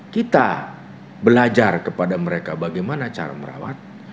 kita belajar kepada mereka bagaimana cara merawat